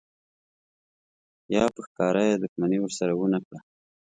یا په ښکاره یې دښمني ورسره ونه کړه.